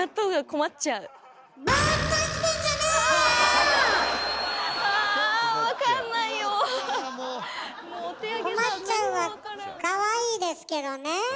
「困っちゃう」はかわいいですけどね。